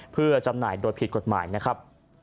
เพื่อจำหน่ายโดยผิดกฎหมายนะครับ